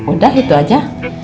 udah itu aja